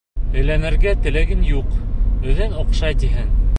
Өйләнергә теләгең юҡ, үҙең оҡшай тиһең.